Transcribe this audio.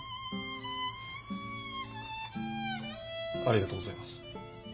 ありがとうございます。